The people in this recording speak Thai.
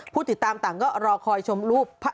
ผู้ติดตามต่างก็รอคอยชมรูป